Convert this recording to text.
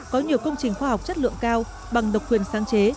có nhiều công trình khoa học chất lượng cao bằng độc quyền sáng chế